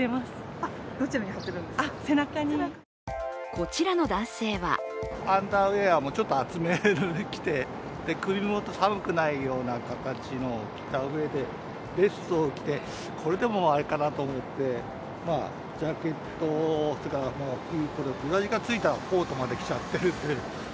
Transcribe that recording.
こちらの男性はアンダーウェアもちょっと厚めのを着て首元、寒くないような形のを着たうえでベストを着て、これでもあれかなと思ってジャケットを、裏地をついたコートまで着ちゃってるんで。